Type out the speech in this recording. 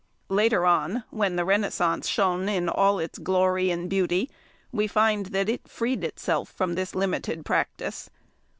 Later on, when the Renaissance shone in all its glory and beauty, we find that it freed itself from this limited practice.